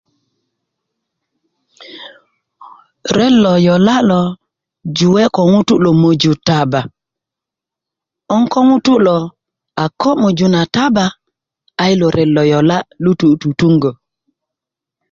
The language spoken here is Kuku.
ret lo yola' lo juee' koŋutu' lomoju taba 'boŋ ko ŋutu' lo a kö' möju na taba a yilo ret lu tutuŋgi' tutuŋgö